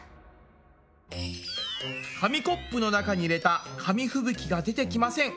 「紙コップの中に入れた紙ふぶきが出てきません。